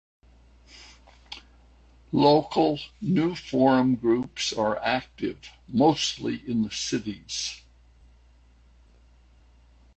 Local New Forum groups are active mostly in the cities.